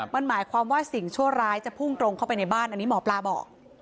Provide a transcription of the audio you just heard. มันหมายความว่าสิ่งชั่วร้ายจะพุ่งตรงเข้าไปในบ้านอันนี้หมอปลาบอก